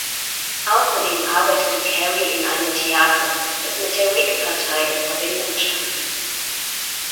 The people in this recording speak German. Außerdem arbeitete Carey in einem Theater, das mit der Whig-Partei in Verbindung stand.